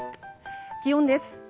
気温です。